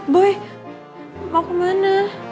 boy mau kemana